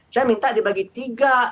saya minta dibagi tiga